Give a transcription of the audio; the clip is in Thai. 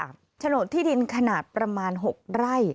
ฟังเสียงลูกจ้างรัฐตรเนธค่ะ